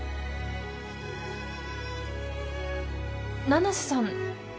七瀬さん